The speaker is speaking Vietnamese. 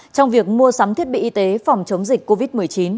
trong việc mua sắm thiết bị y tế phòng chống dịch covid một mươi chín